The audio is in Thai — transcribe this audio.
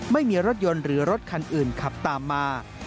ไม่มีรถยนต์หรือรถคันอื่นขับตามมา